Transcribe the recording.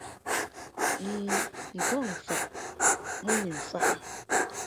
N̂ n-kɔŋ faʼ mɨ ni mfaʼ a.